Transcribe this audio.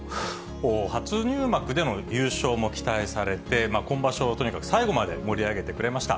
初入幕での優勝も期待されて、今場所をとにかく最後まで盛り上げてくれました。